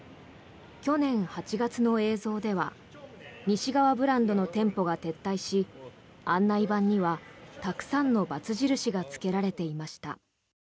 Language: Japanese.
去年８月の映像では西側ブランドの店舗が撤退し案内板には、たくさんのバツ印がつけられていました。